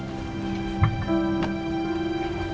aku sudah berhasil menerima cinta